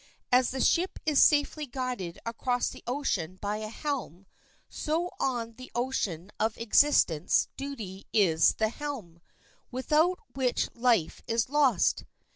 As the ship is safely guided across the ocean by a helm, so on the ocean of existence duty is the helm, without which life is lost.